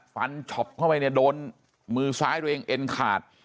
ช็อปเข้าไปเนี่ยโดนมือซ้ายตัวเองเอ็นขาด